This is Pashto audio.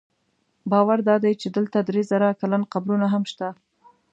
باور دا دی چې دلته درې زره کلن قبرونه هم شته.